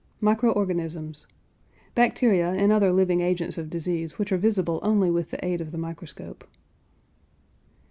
MICRO ORGANISMS. Bacteria and other living agents of disease which are visible only with the aid of the microscope.